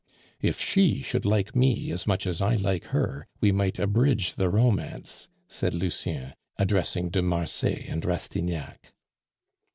"If she should like me as much as I like her, we might abridge the romance," said Lucien, addressing de Marsay and Rastignac.